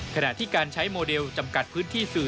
ขณะที่การใช้โมเดลจำกัดพื้นที่สื่อ